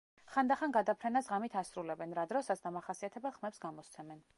ხანდახან გადაფრენას ღამით ასრულებენ, რა დროსაც დამახასიათებელ ხმებს გამოსცემენ.